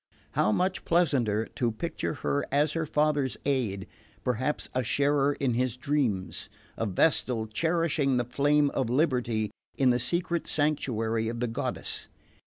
How much pleasanter to picture her as her father's aid, perhaps a sharer in his dreams: a vestal cherishing the flame of Liberty in the secret sanctuary of the goddess!